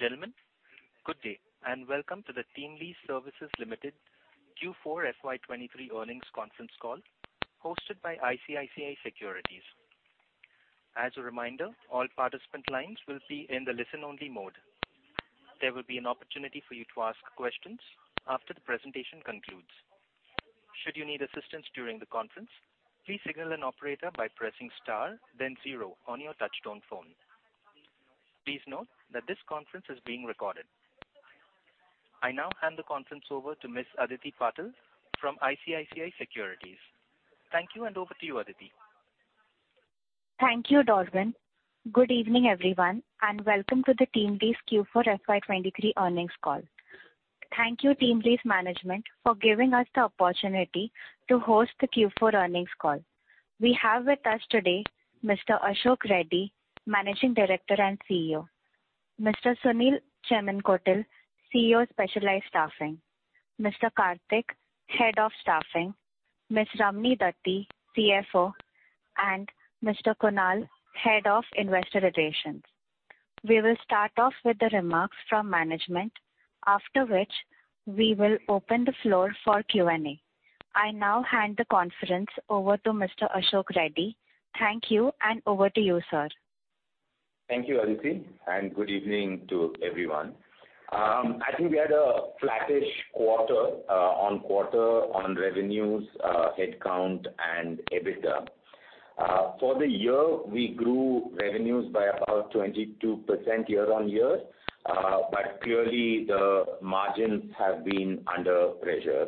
Ladies and gentlemen, good day and welcome to the TeamLease Services Limited Q4 FY 2023 Earnings Conference Call hosted by ICICI Securities. As a reminder, all participant lines will be in the listen-only mode. There will be an opportunity for you to ask questions after the presentation concludes. Should you need assistance during the conference, please signal an operator by pressing star then zero on your touchtone phone. Please note that this conference is being recorded. I now hand the conference over to Ms. Aditi Patil from ICICI Securities. Thank you. Over to you, Aditi. Thank you, Dorvin. Good evening, everyone, and welcome to the TeamLease Q4 FY23 earnings call. Thank you TeamLease management for giving us the opportunity to host the Q4 earnings call. We have with us today Mr. Ashok Reddy, Managing Director and CEO; Mr. Sunil Chemmankotil, CEO Specialized Staffing; Mr. Kartik, Head of Staffing; Ms. Ramani Dathi, CFO; and Mr. Kunal, Head of Investor Relations. We will start off with the remarks from management, after which we will open the floor for Q&A. I now hand the conference over to Mr. Ashok Reddy. Thank you. Over to you, sir. Thank you, Aditi, good evening to everyone. I think we had a flattish quarter-on-quarter on revenues, head count and EBITDA. For the year, we grew revenues by about 22% year-on-year. Clearly the margins have been under pressure.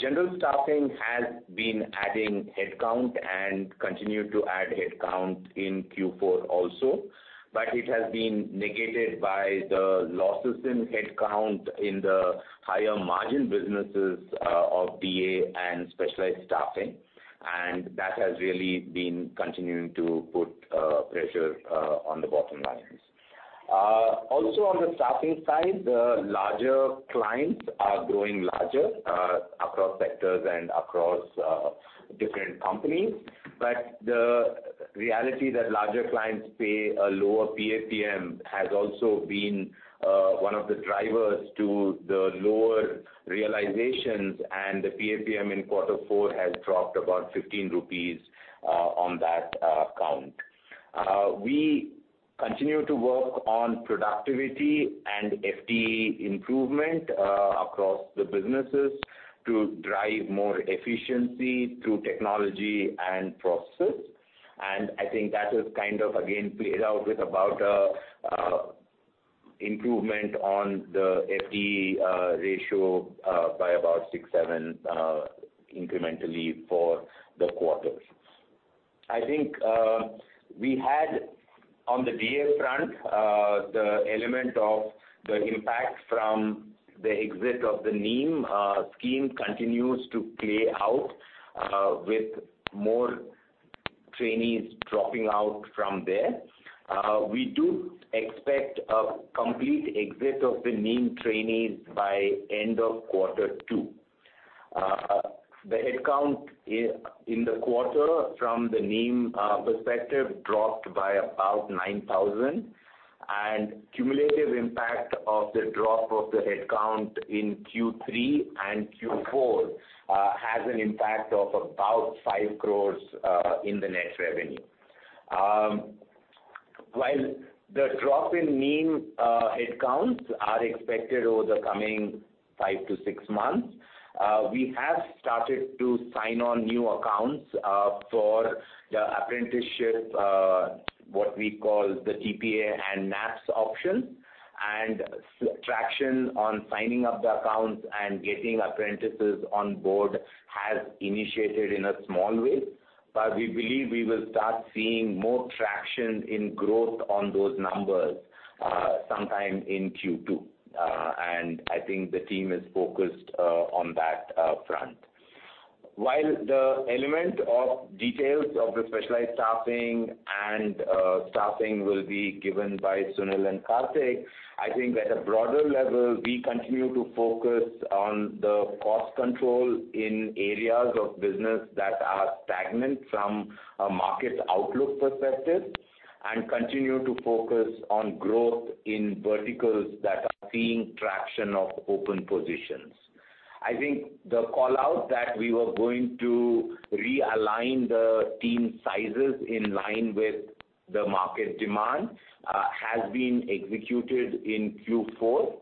General staffing has been adding head count and continued to add head count in Q4 also, but it has been negated by the losses in head count in the higher margin businesses of DA and Specialized Staffing, and that has really been continuing to put pressure on the bottom lines. On the staffing side, the larger clients are growing larger across sectors and across different companies. The reality that larger clients pay a lower PAPM has also been one of the drivers to the lower realizations and the PAPM in quarter four has dropped about 15 rupees on that count. We continue to work on productivity and FTE improvement across the businesses to drive more efficiency through technology and processes. I think that has kind of again played out with about a improvement on the FTE ratio by about six, seven incrementally for the quarter. I think we had on the DA front the element of the impact from the exit of the NEEM scheme continues to play out with more trainees dropping out from there. We do expect a complete exit of the NEEM trainees by end of quarter two. The head count in the quarter from the NEEM perspective dropped by about 9,000. Cumulative impact of the drop of the head count in Q3 and Q4 has an impact of about 5 crores in the net revenue. While the drop in NIM head counts are expected over the coming five to six months, we have started to sign on new accounts for the apprenticeship, what we call the TPA and NAPS option. Traction on signing up the accounts and getting apprentices on board has initiated in a small way. We believe we will start seeing more traction in growth on those numbers sometime in Q2. I think the team is focused on that front. While the element of details of the specialized staffing and staffing will be given by Sunil and Kartik, I think at a broader level, we continue to focus on the cost control in areas of business that are stagnant from a market outlook perspective, and continue to focus on growth in verticals that are seeing traction of open positions. I think the call-out that we were going to realign the team sizes in line with the market demand has been executed in Q4.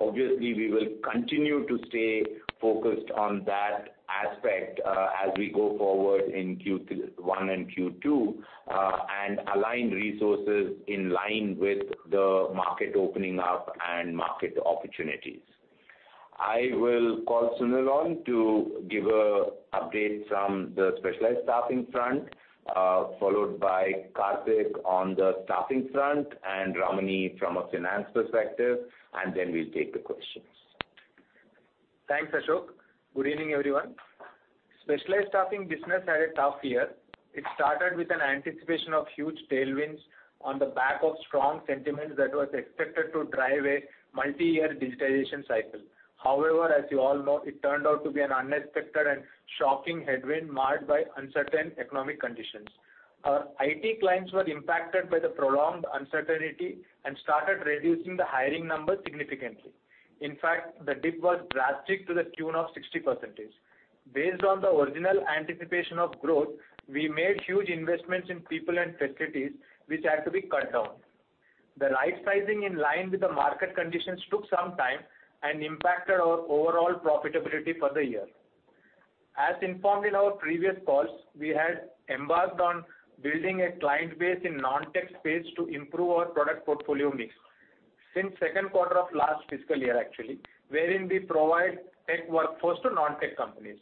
Obviously, we will continue to stay focused on that aspect as we go forward in Q1 and Q2 and align resources in line with the market opening up and market opportunities. I will call Sunil on to give a update from the specialized staffing front, followed by Kartik on the staffing front and Ramani from a finance perspective. Then we'll take the questions. Thanks, Ashok. Good evening, everyone. Specialized Staffing business had a tough year. It started with an anticipation of huge tailwinds on the back of strong sentiments that was expected to drive a multi-year digitization cycle. As you all know, it turned out to be an unexpected and shocking headwind marred by uncertain economic conditions. Our IT clients were impacted by the prolonged uncertainty and started reducing the hiring numbers significantly. The dip was drastic to the tune of 60%. Based on the original anticipation of growth, we made huge investments in people and facilities which had to be cut down. The right sizing in line with the market conditions took some time and impacted our overall profitability for the year. As informed in our previous calls, we had embarked on building a client base in non-tech space to improve our product portfolio mix since second quarter of last fiscal year actually, wherein we provide tech workforce to non-tech companies.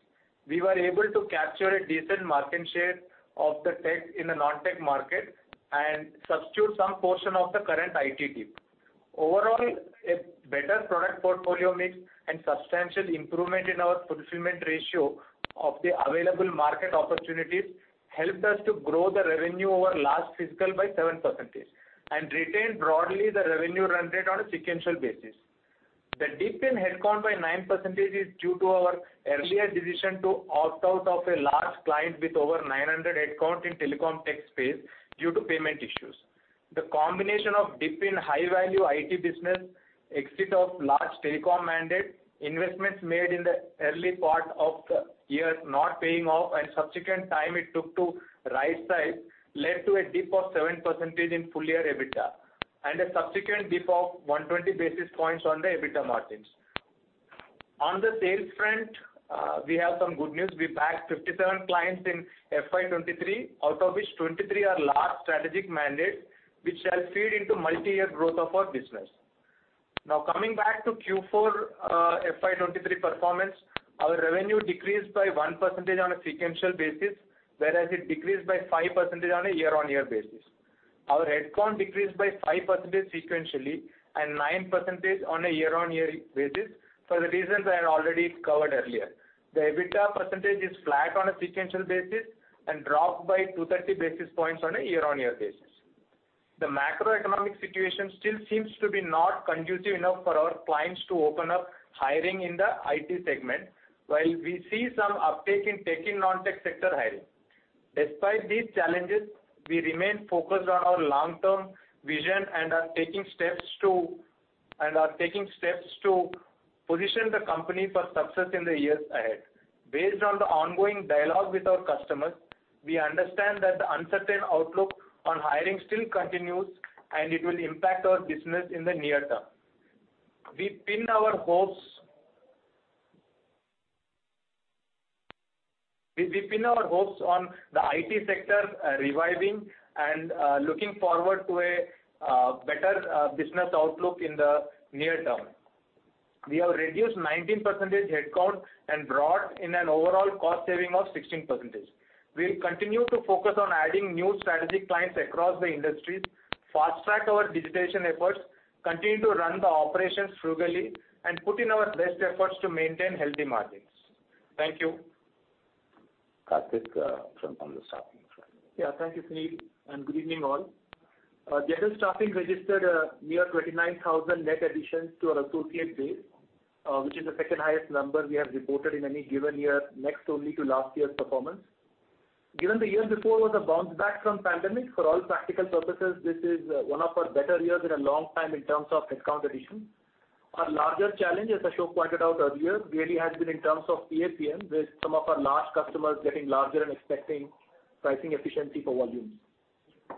We were able to capture a decent market share of the tech in the non-tech market and substitute some portion of the current IT team. Overall, a better product portfolio mix and substantial improvement in our fulfillment ratio of the available market opportunities helped us to grow the revenue over last fiscal by 7% and retain broadly the revenue run rate on a sequential basis. The dip in headcount by 9% is due to our earlier decision to opt out of a large client with over 900 headcount in telecom tech space due to payment issues. The combination of dip in high-value IT business, exit of large telecom mandate, investments made in the early part of the year not paying off and subsequent time it took to right size led to a dip of 7% in full year EBITDA and a subsequent dip of 120 basis points on the EBITDA margins. On the sales front, we have some good news. We bagged 57 clients in FY 2023, out of which 23 are large strategic mandate, which shall feed into multi-year growth of our business. Coming back to Q4, FY 2023 performance, our revenue decreased by 1% on a sequential basis, whereas it decreased by 5% on a year-on-year basis. Our headcount decreased by 5% sequentially and 9% on a year-on-year basis for the reasons I had already covered earlier. The EBITDA percentage is flat on a sequential basis and dropped by 230 basis points on a year-on-year basis. The macroeconomic situation still seems to be not conducive enough for our clients to open up hiring in the IT segment, while we see some uptake in tech and non-tech sector hiring. Despite these challenges, we remain focused on our long-term vision and are taking steps to position the company for success in the years ahead. Based on the ongoing dialogue with our customers, we understand that the uncertain outlook on hiring still continues, and it will impact our business in the near term. We pin our hopes on the IT sector reviving and looking forward to a better business outlook in the near term. We have reduced 19% headcount and brought in an overall cost saving of 16%. We'll continue to focus on adding new strategic clients across the industries, fast-track our digitization efforts, continue to run the operations frugally, and put in our best efforts to maintain healthy margins. Thank you. Kartik, on the staffing front. Yeah. Thank you, Sunil, and good evening all. General staffing registered near 29,000 net additions to our associate base, which is the second-highest number we have reported in any given year, next only to last year's performance. Given the year before was a bounce back from pandemic, for all practical purposes, this is one of our better years in a long time in terms of headcount addition. Our larger challenge, as Ashok pointed out earlier, really has been in terms of PAPM, with some of our large customers getting larger and expecting pricing efficiency for volumes.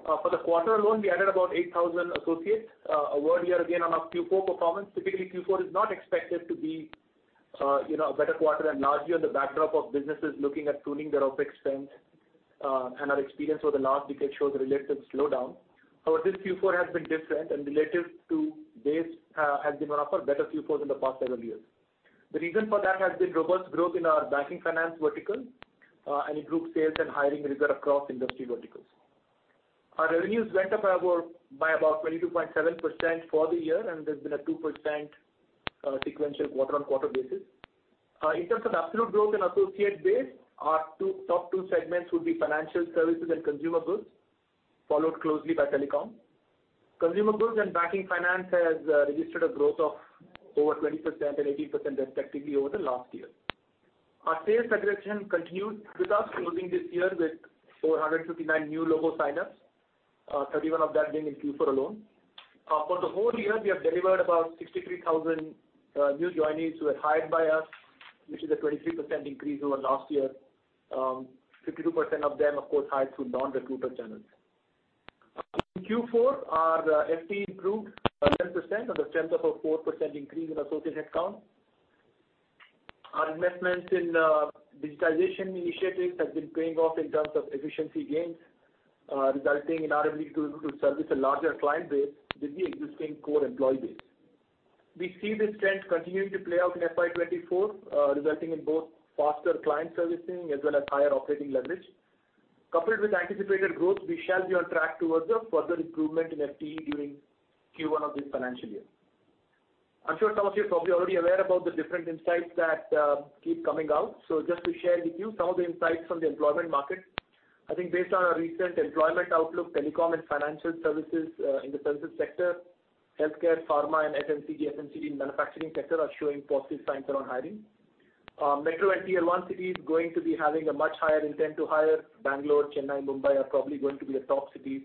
For the quarter alone, we added about 8,000 associates. A word here again on our Q4 performance. Typically, Q4 is not expected to be, you know, a better quarter and largely on the backdrop of businesses looking at tuning their OpEx spend, and our experience over the last decade shows a relative slowdown. However, this Q4 has been different and relative to this, has been one of our better Q4s in the past several years. The reason for that has been robust growth in our banking finance vertical, and it drove sales and hiring reserve across industry verticals. Our revenues went up by about 22.7% for the year, and there's been a 2% sequential quarter-on-quarter basis. In terms of absolute growth in associate base, our top two segments would be financial services and consumer goods, followed closely by telecom. Consumer goods and banking and finance has registered a growth of over 20% and 18% respectively over the last year. Our sales acquisition continued with us closing this year with 459 new logo sign-ups, 31 of that being in Q4 alone. For the whole year, we have delivered about 63,000 new joinees who were hired by us, which is a 23% increase over last year. 52% of them, of course, hired through non-recruiter channels. In Q4, our FTE improved 10% on the strength of a 4% increase in associate headcount. Our investments in digitization initiatives have been paying off in terms of efficiency gains, resulting in our RMB to service a larger client base with the existing core employee base. We see this trend continuing to play out in FY 2024, resulting in both faster client servicing as well as higher operating leverage. Coupled with anticipated growth, we shall be on track towards a further improvement in FTE during Q1 of this financial year. I'm sure some of you are probably already aware about the different insights that keep coming out. Just to share with you some of the insights from the employment market. I think based on our recent employment outlook, telecom and financial services, in the services sector, healthcare, pharma and FMCG and FMCD manufacturing sector are showing positive signs around hiring. Metro and Tier 1 cities going to be having a much higher intent to hire. Bangalore, Chennai, Mumbai are probably going to be the top cities,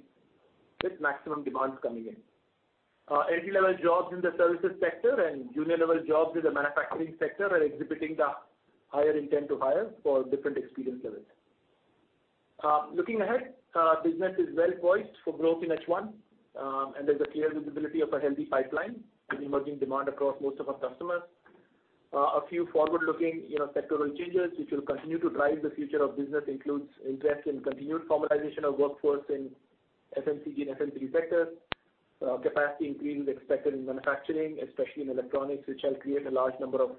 with maximum demands coming in. Entry-level jobs in the services sector and junior level jobs in the manufacturing sector are exhibiting the higher intent to hire for different experience levels. Looking ahead, our business is well poised for growth in H1, and there's a clear visibility of a healthy pipeline with emerging demand across most of our customers. A few forward-looking, you know, sectoral changes which will continue to drive the future of business includes interest in continued formalization of workforce in FMCG and FMCD sectors. Capacity increase is expected in manufacturing, especially in electronics, which help create a large number of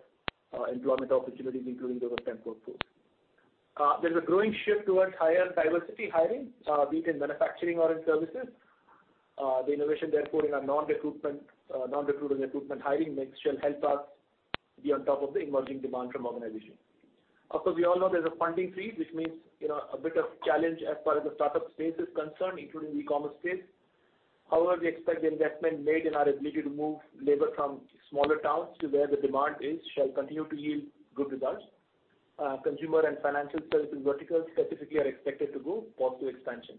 employment opportunities, including the temp workforce. There's a growing shift towards higher diversity hiring, be it in manufacturing or in services. The innovation therefore in our non-recruitment, recruitment hiring mix shall help us be on top of the emerging demand from organization. Of course, we all know there's a funding freeze, which means, you know, a bit of challenge as far as the start-up space is concerned, including the e-commerce space. However, we expect the investment made in our ability to move labor from smaller towns to where the demand is shall continue to yield good results. Consumer and Financial Services verticals specifically are expected to grow post the expansion.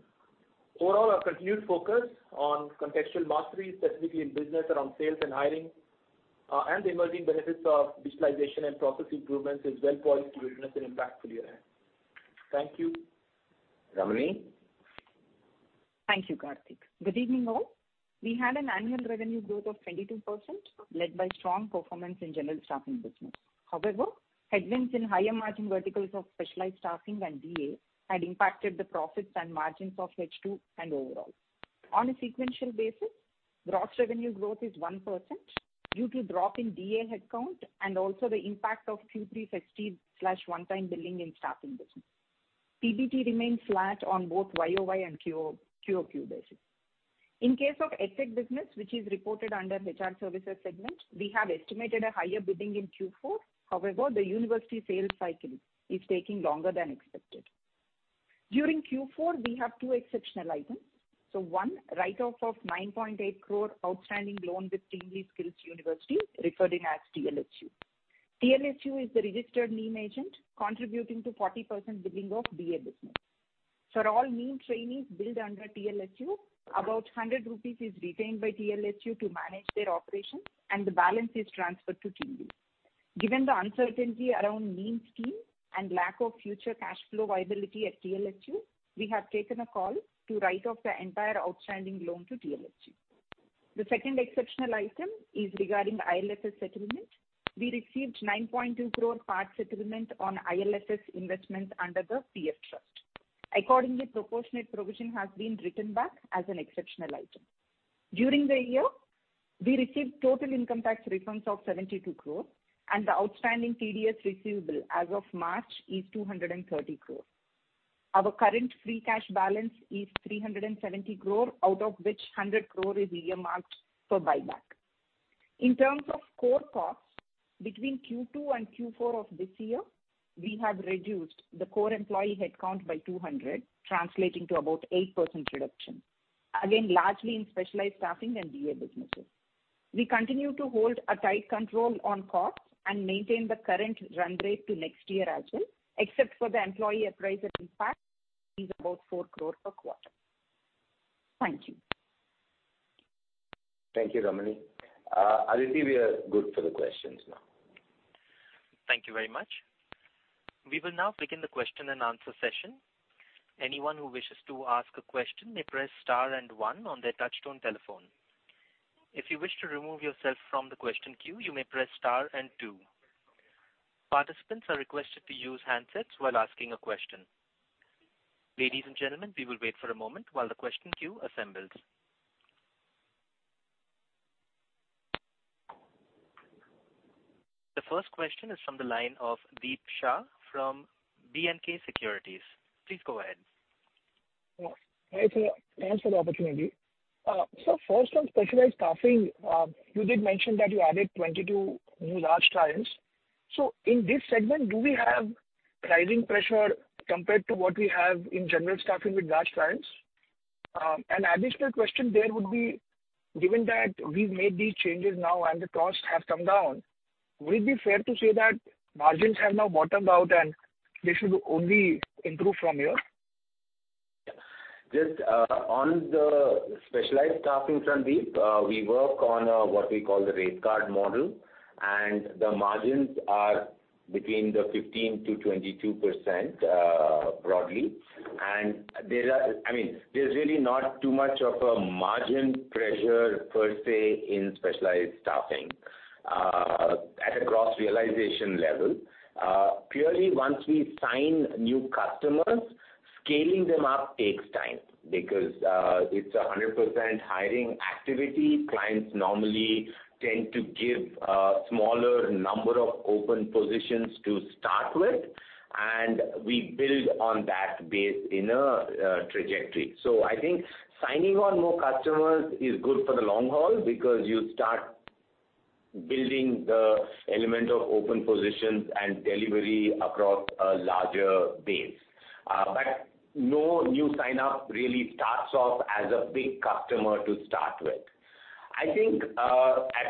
Overall, our continued focus on contextual mastery, specifically in business around sales and hiring, and the emerging benefits of digitalization and process improvements is well poised to witness an impactful year ahead. Thank you. Ramani? Thank you, Kartik. Good evening, all. We had an annual revenue growth of 22% led by strong performance in general staffing business. However, headwinds in higher margin verticals of specialized staffing and DA had impacted the profits and margins of H2 and overall. On a sequential basis, gross revenue growth is 1% due to drop in DA headcount and also the impact of Q3 60/one-time billing in staffing business. PBT remains flat on both Y-O-Y and Q-O-Q basis. In case of EdTech business, which is reported under HR Services Segment, we have estimated a higher billing in Q4. However, the university sales cycle is taking longer than expected. During Q4, we have two exceptional items. One, write-off of 9.8 crore outstanding loan with TeamLease Skills University, referred in as TLSU. TLSU is the registered NEEM agent contributing to 40% billing of DA business. For all NEEM trainees billed under TLSU, about 100 rupees is retained by TLSU to manage their operations, the balance is transferred to TeamLease. Given the uncertainty around NEEM scheme and lack of future cash flow viability at TLSU, we have taken a call to write off the entire outstanding loan to TLSU. The second exceptional item is regarding the IL&FS settlement. We received 9.2 crore part settlement on IL&FS investments under the PF trust. Accordingly, proportionate provision has been written back as an exceptional item. During the year, we received total income tax refunds of 72 crore and the outstanding TDS receivable as of March is 230 crore. Our current free cash balance is 370 crore, out of which 100 crore is earmarked for buyback. In terms of core costs, between Q2 and Q4 of this year, we have reduced the core employee headcount by 200, translating to about 8% reduction. Largely in Specialised Staffing and DA businesses. We continue to hold a tight control on costs and maintain the current run rate to next year as well, except for the employee appraisal impact is about 4 crore per quarter. Thank you. Thank you, Ramani. Aditi, we are good for the questions now. Thank you very much. We will now begin the question and answer session. Anyone who wishes to ask a question may press star and one on their touchtone telephone. If you wish to remove yourself from the question queue, you may press star and two. Participants are requested to use handsets while asking a question. Ladies and gentlemen, we will wait for a moment while the question queue assembles. The first question is from the line of Deep Shah from B&K Securities. Please go ahead. Thanks for the opportunity. First on Specialized Staffing, you did mention that you added 22 new large clients. In this segment, do we have pricing pressure compared to what we have in General Staffing with large clients? An additional question there would be, given that we've made these changes now and the costs have come down, would it be fair to say that margins have now bottomed out and they should only improve from here? Just on the specialized staffing front, Deep, we work on what we call the rate card model, and the margins are between 15%-22%, broadly. I mean, there's really not too much of a margin pressure per se in specialized staffing at a gross realization level. Purely once we sign new customers, scaling them up takes time because it's a 100% hiring activity. Clients normally tend to give a smaller number of open positions to start with, and we build on that base in a trajectory. I think signing on more customers is good for the long haul because you start building the element of open positions and delivery across a larger base. No new sign-up really starts off as a big customer to start with. I think,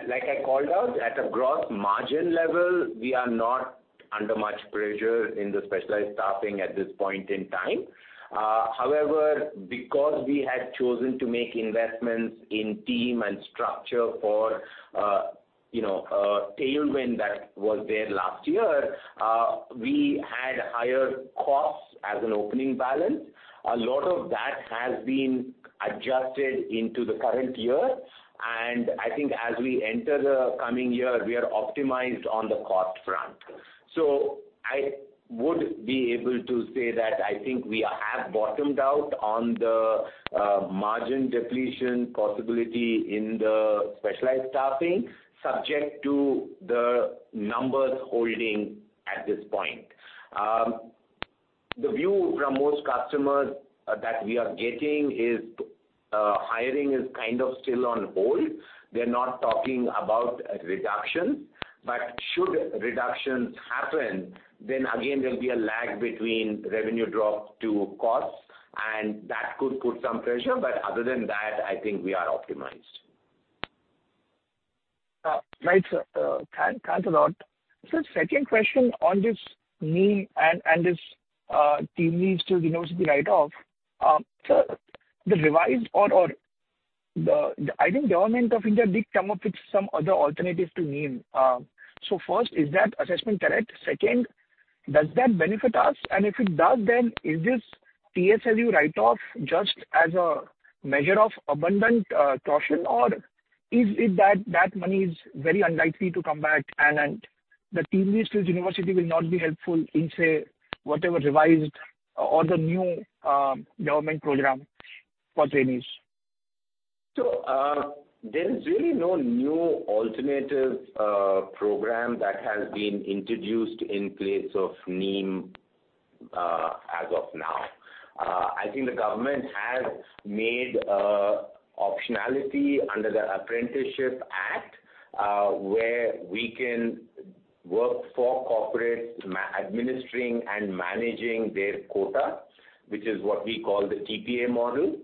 like I called out, at a gross margin level, we are not under much pressure in the specialized staffing at this point in time. However, because we had chosen to make investments in team and structure for, you know, a tailwind that was there last year, we had higher costs as an opening balance. A lot of that has been adjusted into the current year, and I think as we enter the coming year, we are optimized on the cost front. I would be able to say that I think we have bottomed out on the margin depletion possibility in the specialized staffing, subject to the numbers holding at this point. The view from most customers that we are getting is, hiring is kind of still on hold. They're not talking about a reduction. Should reductions happen, then again, there'll be a lag between revenue drop to costs, and that could put some pressure. Other than that, I think we are optimized. Right, sir. Thank, thanks a lot. Second question on this NEEM and this TeamLease Skills University write-off. The revised or the I think Government of India did come up with some other alternatives to NEEM. First, is that assessment correct? Second, does that benefit us? If it does, then is this TLSU write-off just as a measure of abundant caution? Is it that that money is very unlikely to come back and the TeamLease Skills University will not be helpful in, say, whatever revised or the new government program for trainees? there is really no new alternative program that has been introduced in place of NEEM as of now. I think the government has made optionality under the Apprentices Act where we can work for corporate administering and managing their quota, which is what we call the TPA model.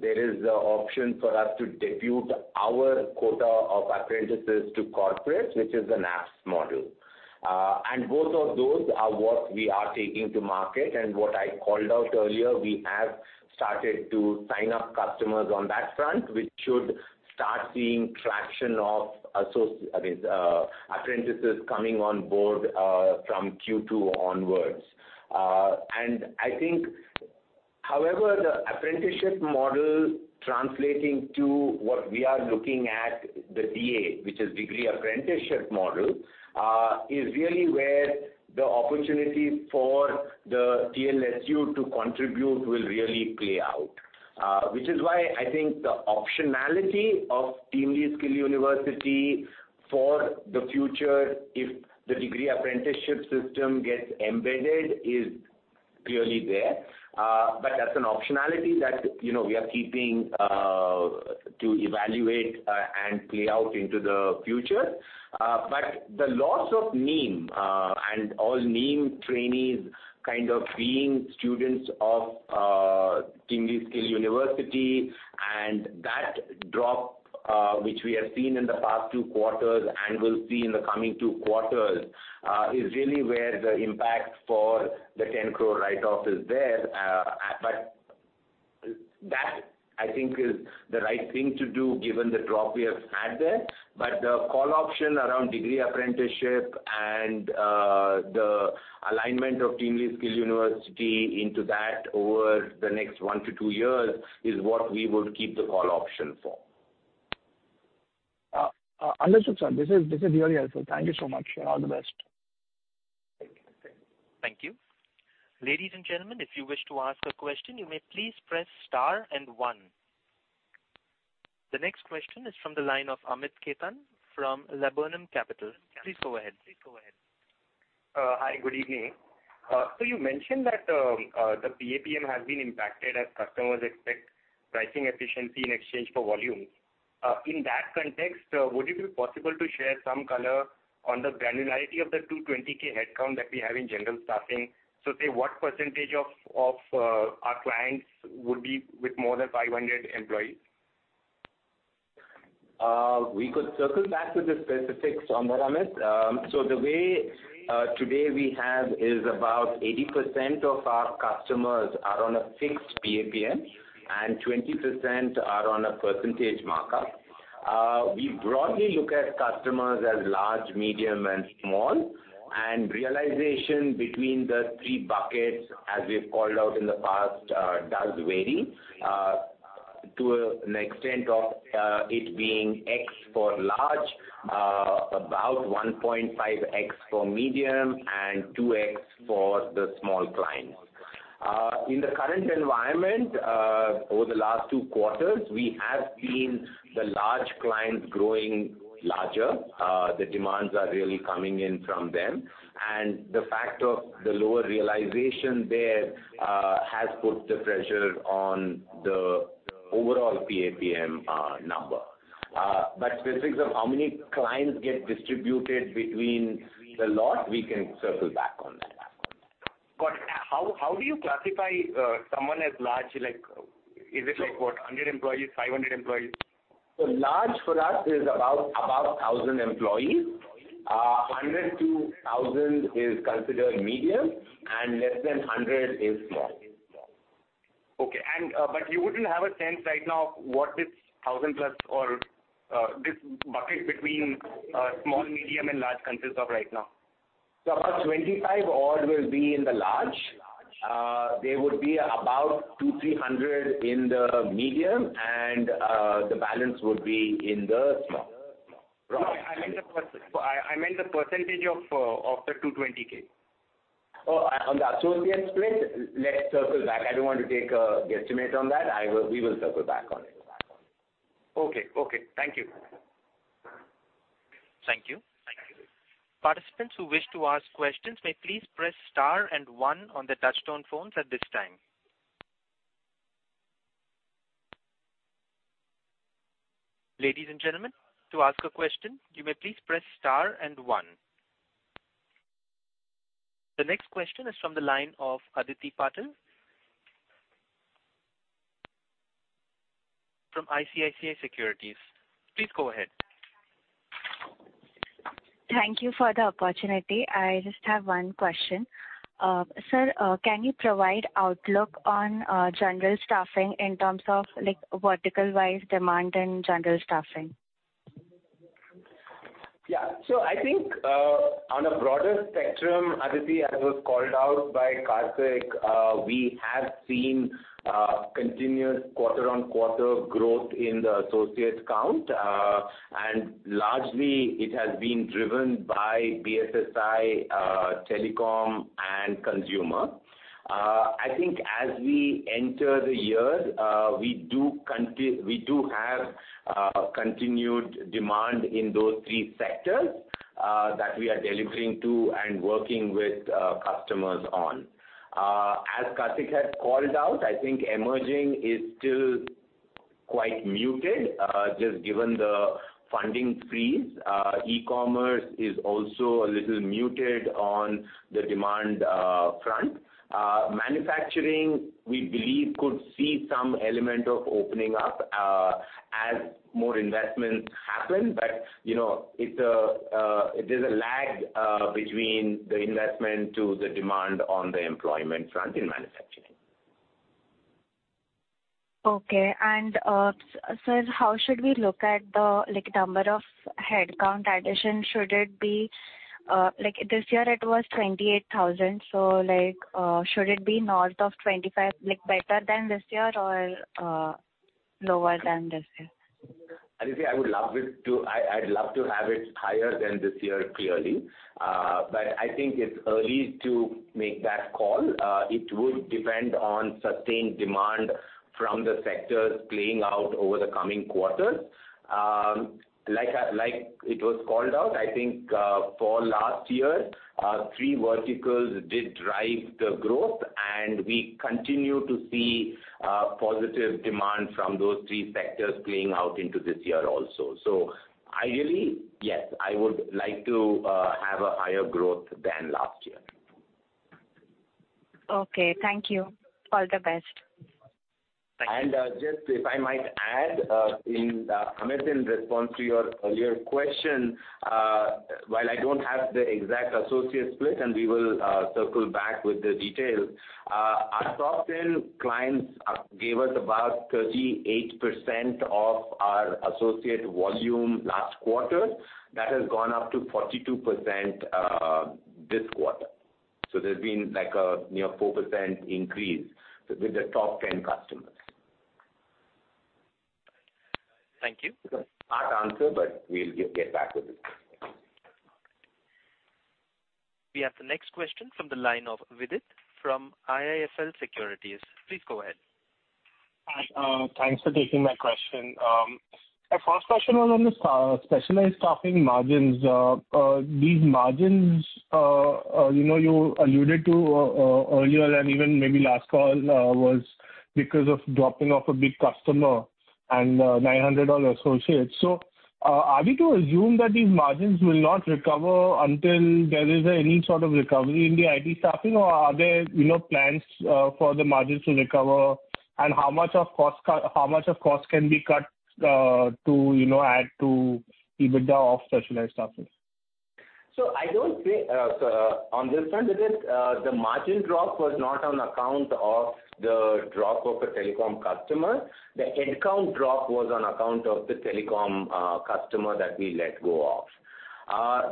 there is the option for us to depute our quota of apprentices to corporates, which is an APS model. both of those are what we are taking to market. what I called out earlier, we have started to sign up customers on that front, which should start seeing traction of I mean, apprentices coming on board from Q2 onwards. I think, however, the apprenticeship model translating to what we are looking at, the DA, which is degree apprenticeship model, is really where the opportunity for the TLSU to contribute will really play out. Which is why I think the optionality of TeamLease Skills University for the future, if the degree apprenticeship system gets embedded, is clearly there. That's an optionality that, you know, we are keeping to evaluate and play out into the future. The loss of NEEM, and all NEEM trainees kind of being students of TeamLease Skills University, and that drop which we have seen in the past two quarters and will see in the coming two quarters, is really where the impact for the 10 crore write-off is there. That, I think, is the right thing to do given the drop we have had there. The call option around degree apprenticeship and the alignment of TeamLease Skills University into that over the next one to two years is what we would keep the call option for. Understood, sir. This is really helpful. Thank you so much. All the best. Thank you. Thank you. Ladies and gentlemen, if you wish to ask a question, you may please press star and one. The next question is from the line of Amit Khetan from Laburnum Capital. Please go ahead. You mentioned that the PAPM has been impacted as customers expect pricing efficiency in exchange for volume. In that context, would it be possible to share some color on the granularity of the 220K headcount that we have in general staffing? Say, what percentage of our clients would be with more than 500 employees? We could circle back to the specifics on that, Amit. The way today we have is about 80% of our customers are on a fixed PAPM and 20% are on a percentage markup. We broadly look at customers as large, medium, and small. Realization between the three buckets, as we've called out in the past, does vary to an extent of it being X for large, about 1.5x for medium and 2x for the small clients. In the current environment, over the last two quarters, we have seen the large clients growing larger. The demands are really coming in from them. The fact of the lower realization there has put the pressure on the overall PAPM number. Specifics of how many clients get distributed between the lot, we can circle back on that. How do you classify someone as large? Like, is it like what, 100 employees, 500 employees? Large for us is about 1,000 employees. 100-1,000 is considered medium, and less than 100 is small. Okay. You wouldn't have a sense right now what this 1,000+ or this bucket between small, medium and large consists of right now? About 25 odd will be in the large. There would be about 200-300 in the medium, and the balance would be in the small. I meant the percentage of the 220K. On the associate split? Let's circle back. I don't want to take a guesstimate on that. We will circle back on it. Okay. Okay. Thank you. Thank you. Participants who wish to ask questions may please press star and 1 on their touchtone phones at this time. Ladies and gentlemen, to ask a question, you may please press star and one. The next question is from the line of Aditi Patil from ICICI Securities. Please go ahead. Thank you for the opportunity. I just have one question. Sir, can you provide outlook on general staffing in terms of, like, vertical-wise demand and general staffing? I think, on a broader spectrum, Aditi, as was called out by Kartik, we have seen continuous quarter-on-quarter growth in the associates count. Largely it has been driven by BFSI, telecom and consumer. I think as we enter the year, we do have continued demand in those three sectors that we are delivering to and working with customers on. As Kartik has called out, I think emerging is still quite muted, just given the funding freeze. E-commerce is also a little muted on the demand front. Manufacturing, we believe could see some element of opening up as more investments happen. You know, there's a lag between the investment to the demand on the employment front in manufacturing. Okay. Sir, how should we look at the number of headcount addition? This year it was 28,000. Should it be north of 25, better than this year or lower than this year? Aditi, I'd love to have it higher than this year, clearly. I think it's early to make that call. It would depend on sustained demand from the sectors playing out over the coming quarters. Like it was called out, I think, for last year, three verticals did drive the growth, and we continue to see positive demand from those three sectors playing out into this year also. Ideally, yes, I would like to have a higher growth than last year. Okay. Thank you. All the best. Thank you. Just if I might add, Amit, in response to your earlier question, while I don't have the exact associate split, and we will circle back with the detail, our top 10 clients gave us about 38% of our associate volume last quarter. That has gone up to 42% this quarter. There's been like a near 4% increase with the top 10 customers. Thank you. It's a hard answer, but we'll get back with it. We have the next question from the line of Vidit from IIFL Securities. Please go ahead. Hi. Thanks for taking my question. My first question was on the specialized staffing margins. These margins, you know, you alluded to earlier and even maybe last call, was because of dropping off a big customer and 900 odd associates. Are we to assume that these margins will not recover until there is any sort of recovery in the IT staffing? Are there, you know, plans for the margins to recover? How much of cost can be cut, to, you know, add to EBITDA of specialized staffing? I don't think, on this front, Vidit, the margin drop was not on account of the drop of a telecom customer. The headcount drop was on account of the telecom customer that we let go of.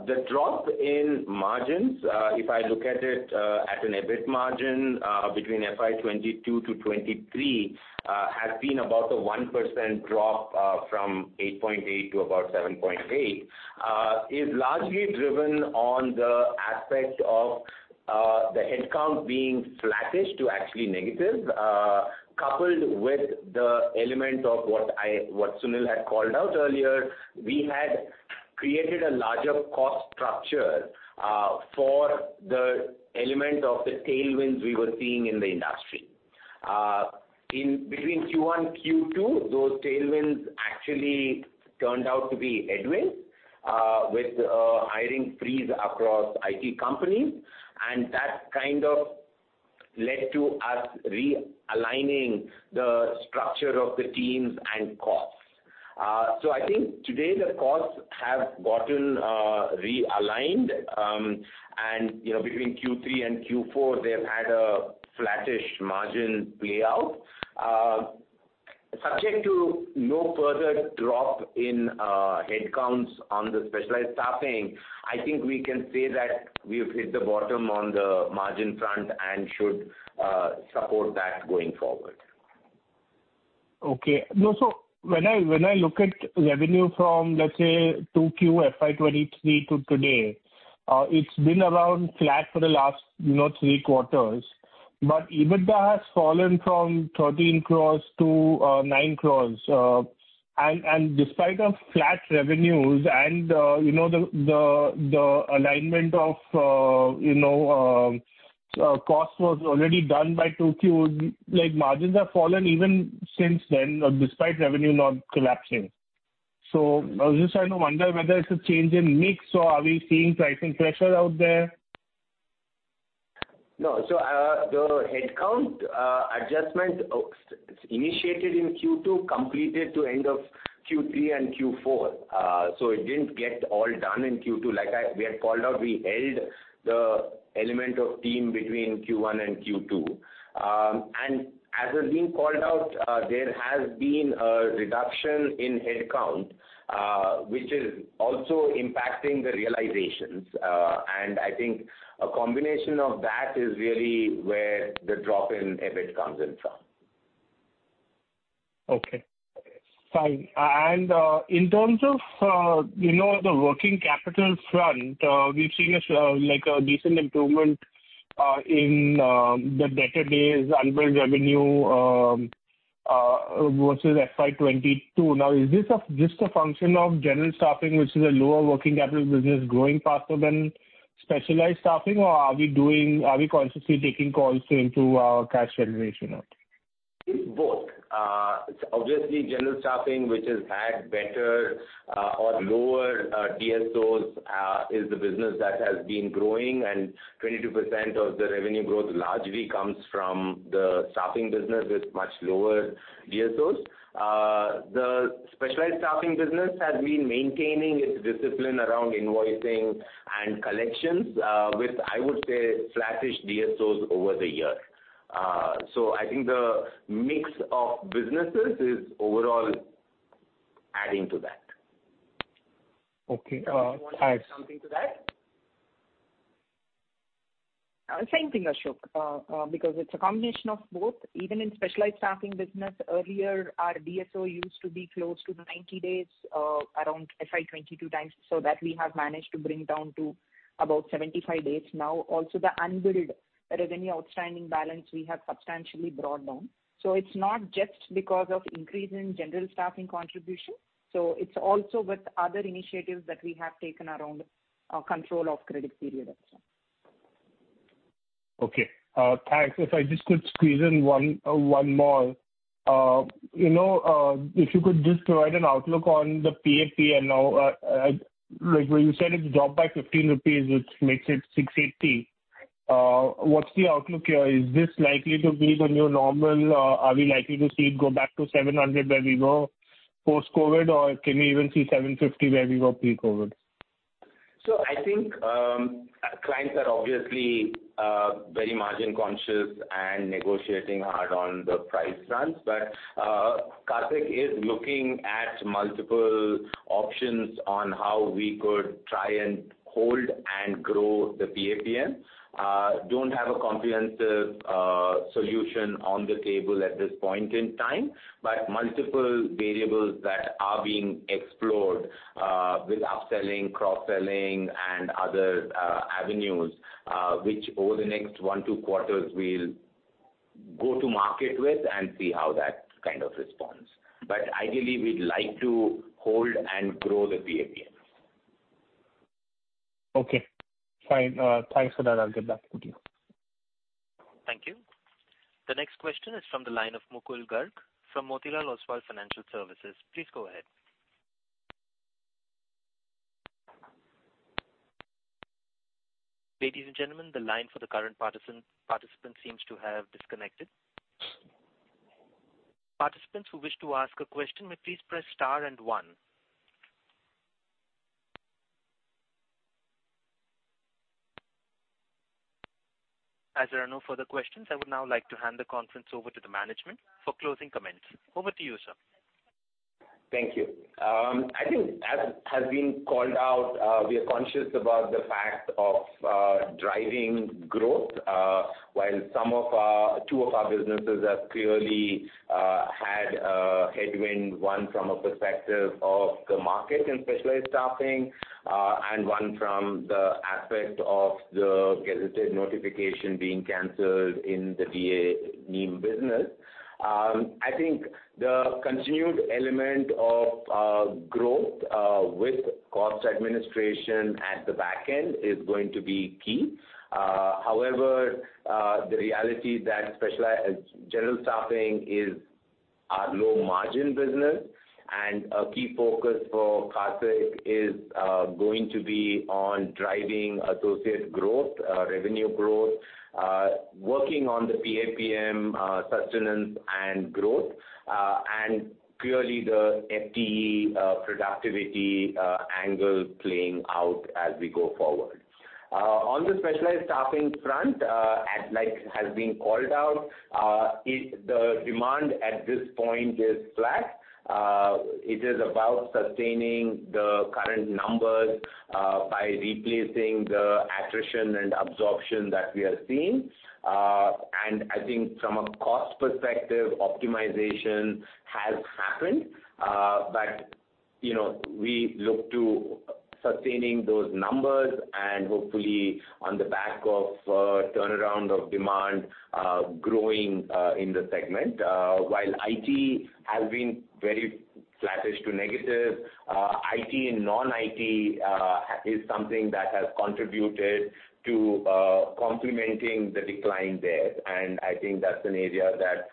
The drop in margins, if I look at it, at an EBIT margin, between FY 2022-2023, has been about a 1% drop, from 8.8 to about 7.8. Is largely driven on the aspect of the headcount being flattish to actually negative, coupled with the element of what Sunil had called out earlier. We had created a larger cost structure for the element of the tailwinds we were seeing in the industry. In between Q1, Q2, those tailwinds actually turned out to be headwind with hiring freeze across IT companies, and that kind of led to us realigning the structure of the teams and costs. I think today the costs have gotten realigned, and, you know, between Q3 and Q4, they've had a flattish margin play out. Subject to no further drop in headcounts on the specialized staffing, I think we can say that we have hit the bottom on the margin front and should support that going forward. Okay. No, when I look at revenue from, let's say, 2Q FY2023 to today, it's been around flat for the last, you know, three quarters. EBITDA has fallen from 13 crores to 9 crores. Despite of flat revenues and, you know, the alignment of, you know, cost was already done by 2Q, like, margins have fallen even since then, despite revenue not collapsing. I was just trying to wonder whether it's a change in mix or are we seeing pricing pressure out there? No. The headcount adjustment, it's initiated in Q2, completed to end of Q3 and Q4. It didn't get all done in Q2. Like we had called out, we held the element of team between Q1 and Q2. As has been called out, there has been a reduction in headcount, which is also impacting the realizations. I think a combination of that is really where the drop in EBIT comes in from. Okay. Fine. In terms of, you know, the working capital front, we've seen a, like, a decent improvement, in, the debtor days unbilled revenue, versus FY 2022. Now, is this a, just a function of general staffing, which is a lower working capital business growing faster than specialized staffing, or are we consciously taking calls to improve our cash generation out? It's both. Obviously general staffing, which has had better, or lower, DSOs, is the business that has been growing, and 22% of the revenue growth largely comes from the staffing business with much lower DSOs. The specialized staffing business has been maintaining its discipline around invoicing and collections, with, I would say, flattish DSOs over the year. I think the mix of businesses is overall adding to that. Okay. Kartik, you wanted to add something to that? Same thing, Ashok, because it's a combination of both. Even in Specialised Staffing business earlier, our DSO used to be close to 90 days, around FY2022 times, so that we have managed to bring down to about 75 days now. Also, the unbilled revenue outstanding balance we have substantially brought down. It's not just because of increase in general staffing contribution. It's also with other initiatives that we have taken around control of credit period as well. Thanks. If I just could squeeze in one more. You know, if you could just provide an outlook on the PAPM now. Like when you said it's dropped by 15 rupees, which makes it 680, what's the outlook here? Is this likely to be the new normal? Are we likely to see it go back to 700 where we were post-COVID, or can we even see 750 where we were pre-COVID? I think clients are obviously very margin conscious and negotiating hard on the price fronts. Kartik is looking at multiple options on how we could try and hold and grow the PAPM. Don't have a comprehensive solution on the table at this point in time. Multiple variables that are being explored with upselling, cross-selling and other avenues, which over the next one, two quarters we'll go to market with and see how that kind of responds. Ideally, we'd like to hold and grow the PAPM. Okay. Fine. Thanks for that. I'll get back to you. Thank you. The next question is from the line of Mukul Garg from Motilal Oswal Financial Services. Please go ahead. Ladies and gentlemen, the line for the current participant seems to have disconnected. Participants who wish to ask a question may please press star and one. As there are no further questions, I would now like to hand the conference over to the management for closing comments. Over to you, sir. Thank you. I think as has been called out, we are conscious about the fact of driving growth, while some of our, two of our businesses have clearly had a headwind, one from a perspective of the market in Specialised Staffing, and one from the aspect of the gazetted notification being canceled in the NEEM business. I think the continued element of growth with cost administration at the back end is going to be key. However, the reality is that general staffing is our low margin business, and a key focus for Kartik is going to be on driving associate growth, revenue growth, working on the PAPM sustenance and growth, and clearly the FTE productivity angle playing out as we go forward. On the specialized staffing front, as like has been called out, the demand at this point is flat. It is about sustaining the current numbers, by replacing the attrition and absorption that we are seeing. I think from a cost perspective, optimization has happened. You know, we look to sustaining those numbers and hopefully on the back of, turnaround of demand, growing, in the segment. IT has been very flattish to negative, IT and non-IT, is something that has contributed to, complementing the decline there. I think that's an area that,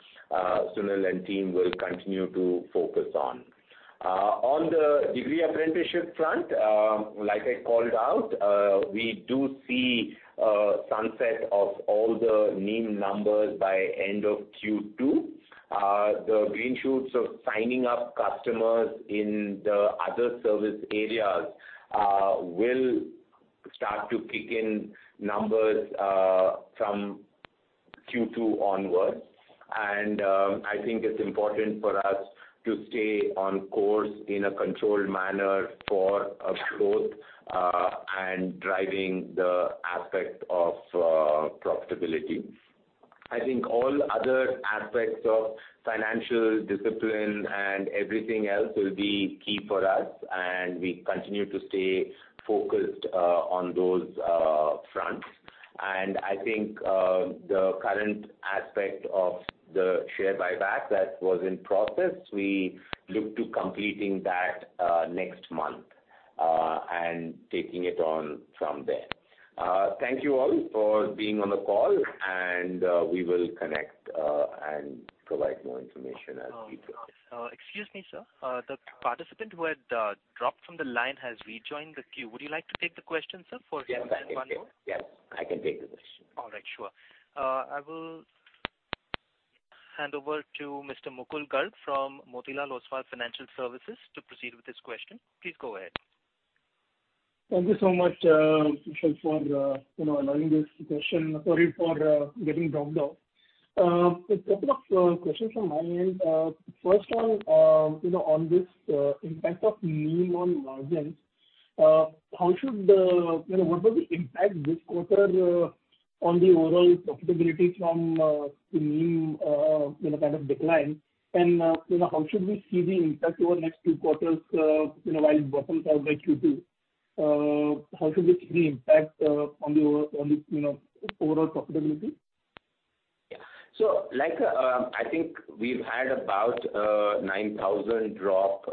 Sunil and team will continue to focus on. On the degree apprenticeship front, like I called out, we do see a sunset of all the NEEM numbers by end of Q2. The green shoots of signing up customers in the other service areas will start to kick in numbers from Q2 onwards. I think it's important for us to stay on course in a controlled manner for growth and driving the aspect of profitability. I think all other aspects of financial discipline and everything else will be key for us, and we continue to stay focused on those fronts. I think, the current aspect of the share buyback that was in process, we look to completing that next month and taking it on from there. Thank you all for being on the call, and we will connect and provide more information as we go. Excuse me, sir. The participant who had dropped from the line has rejoined the queue. Would you like to take the question, sir, for just one more? Yes, I can take the question. All right, sure. I will hand over to Mr. Mukul Garg from Motilal Oswal Financial Services to proceed with his question. Please go ahead. Thank you so much, Ashok, for, you know, allowing this question. Sorry for getting dropped off. A couple of questions from my end. First one, you know, on this impact of NEEM on margins, you know, what was the impact this quarter on the overall profitability from NEEM, you know, kind of decline? You know, how should we see the impact over next two quarters, you know, while it bottoms out by Q2? How should we see the impact on the, you know, overall profitability? Yeah. Like, I think we've had about 9,000 drop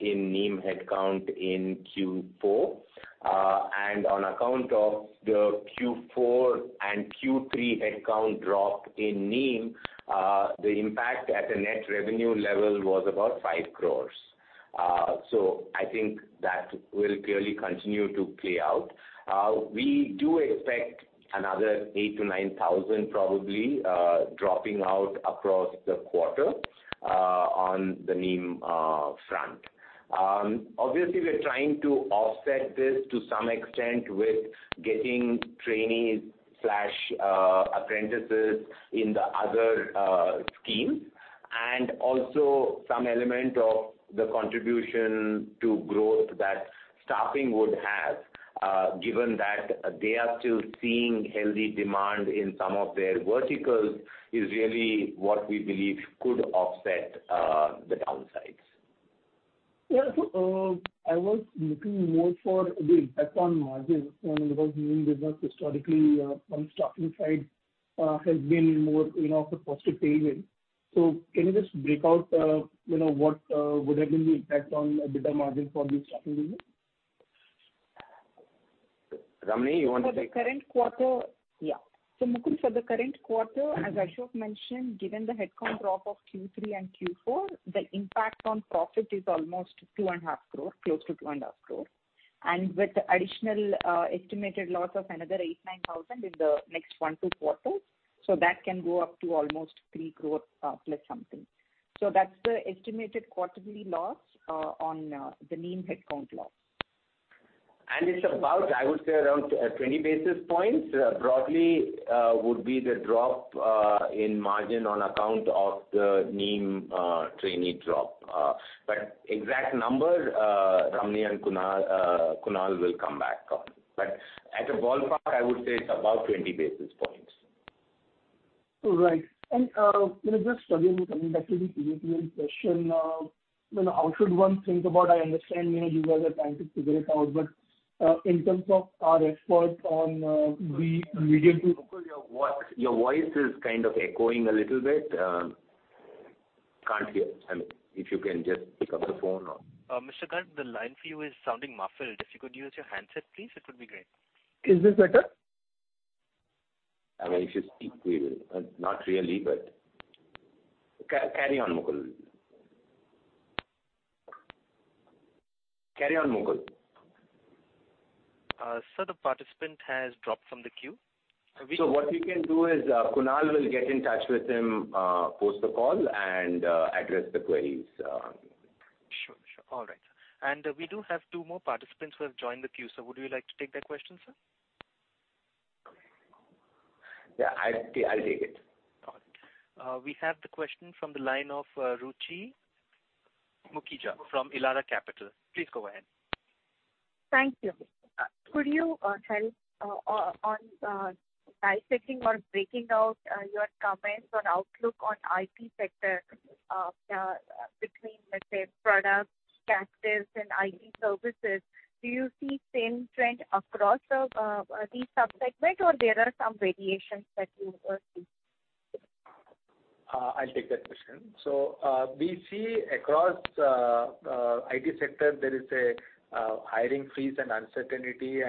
in NEEM headcount in Q4. On account of the Q4 and Q3 headcount drop in NEEM, the impact at the net revenue level was about 5 crore. I think that will clearly continue to play out. We do expect another 8,000-9,000 probably dropping out across the quarter on the NEEM front. Obviously we're trying to offset this to some extent with getting trainees slash apprentices in the other scheme. Also some element of the contribution to growth that staffing would have, given that they are still seeing healthy demand in some of their verticals is really what we believe could offset the downsides. Yeah. I was looking more for the impact on margins, you know, because NEEM business historically, on staffing side, has been more, you know, of a positive tailwind. Can you just break out, you know, what, would have been the impact on EBITDA margin for the staffing business? Ramani, you want to take- Yeah. Mukul, for the current quarter, as Ashok mentioned, given the headcount drop of Q3 and Q4, the impact on profit is almost two and a half crore, close to two and a half crore. With additional, estimated loss of another 8,000-9,000 in the next one to two quarters. That can go up to almost 3 crore, plus something. That's the estimated quarterly loss, on the NEEM headcount loss. It's about, I would say around 20 basis points, broadly, would be the drop in margin on account of the NEEM trainee drop. Exact number, Ramani and Kunal will come back on. At a ballpark, I would say it's about 20 basis points. All right. You know, just again coming back to the PAPM question, you know, how should one think about. I understand, you know, you guys are trying to figure it out. In terms of our export on. Mukul, your voice is kind of echoing a little bit. Can't hear. I mean, if you can just pick up the phone or... Mr. Garg, the line for you is sounding muffled. If you could use your handset, please, it would be great. Is this better? I mean, if you speak clearly. Not really. Carry on, Mukul. Carry on, Mukul. Sir, the participant has dropped from the queue. What we can do is, Kunal will get in touch with him, post the call and, address the queries. Sure, sure. All right. We do have two more participants who have joined with you, sir. Would you like to take their questions, sir? Yeah, I'll take it. All right. We have the question from the line of Ruchi Mukhija from Elara Capital. Please go ahead. Thank you. Could you help on dissecting or breaking out your comments on outlook on IT sector between, let's say, products, captives and IT services? Do you see same trend across these sub-segment, or there are some variations that you see? I'll take that question. We see across IT sector there is a hiring freeze and uncertainty.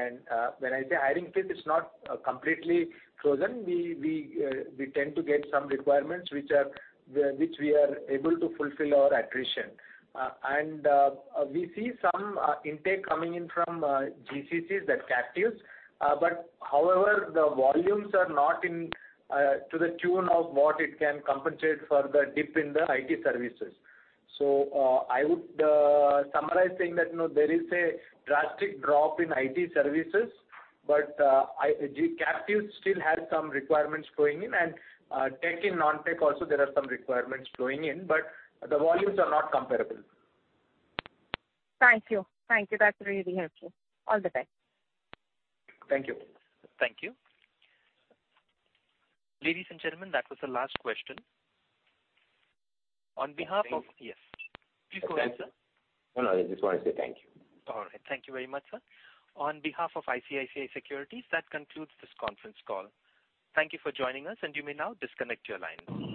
When I say hiring freeze, it's not completely frozen. We tend to get some requirements which are which we are able to fulfill our attrition. We see some intake coming in from GCCs, the captives. However, the volumes are not in to the tune of what it can compensate for the dip in the IT services. I would summarize saying that, you know, there is a drastic drop in IT services, but IT captives still have some requirements flowing in. Tech and non-tech also there are some requirements flowing in, but the volumes are not comparable. Thank you. Thank you. That's really helpful. All the best. Thank you. Thank you. Ladies and gentlemen, that was the last question. On behalf of- Thanks. Yes. Please go ahead, sir. No, no, I just wanna say thank you. All right. Thank you very much, sir. On behalf of ICICI Securities, that concludes this conference call. Thank you for joining us, and you may now disconnect your lines.